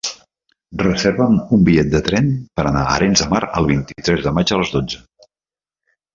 Reserva'm un bitllet de tren per anar a Arenys de Mar el vint-i-tres de maig a les dotze.